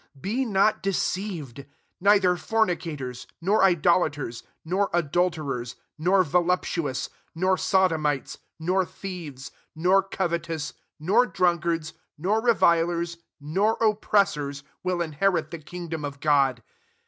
Be not deceived,, neither fornicators, nor idol aters, nor adulterers, nor volup tuous, nor sodomites, 10 nor thieves, nor covetous, nor drunkards, nor revilers, nor oppressors, will inherit the kingdom of God.